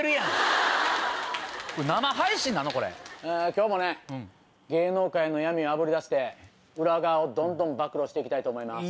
今日もね芸能界の闇をあぶり出して裏側をどんどん暴露して行きたいと思います。